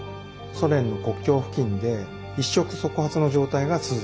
ソ連の国境付近で一触即発の状態が続いています。